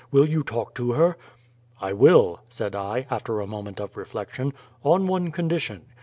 Will you talk to her?" "I will," said I, after a moment of reflection, "on one condition.